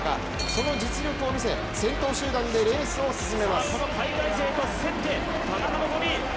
その実力を見せ、先頭集団でレースを進めます。